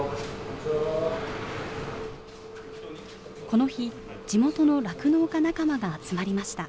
この日、地元の酪農家仲間が集まりました。